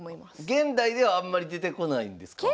現代ではあんまり出てこないですね。